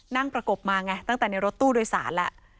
ประกบมาไงตั้งแต่ในรถตู้โดยสารแล้ว